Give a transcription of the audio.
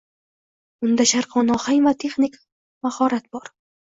Unda sharqona ohang va texnik mahurat bor.